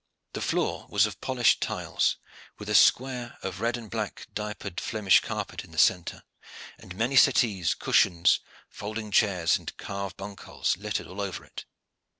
The floor was of polished tiles, with a square of red and black diapered Flemish carpet in the centre; and many settees, cushions, folding chairs, and carved bancals littered all over it.